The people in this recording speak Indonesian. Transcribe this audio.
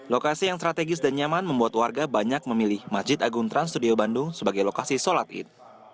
lokasi yang strategis dan nyaman membuat warga banyak memilih masjid agung trans studio bandung sebagai lokasi sholat id